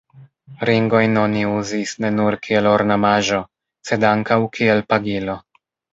Ringojn oni uzis ne nur kiel ornamaĵo, sed ankaŭ kiel pagilo.